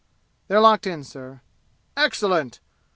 "They're locked in, sir." "Excellent!